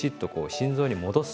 心臓に戻す。